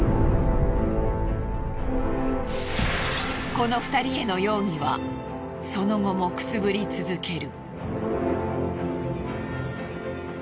この２人への容疑はその後もくすぶり続ける。